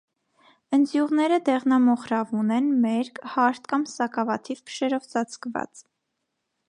Ընձյուղները դեղնամոխրավուն են, մերկ, հարթ կամ սակավաթիվ փշերով ծածկված։